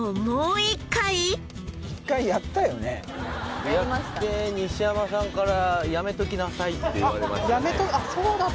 やって西山さんからやめときなさいって言われましたよねあっ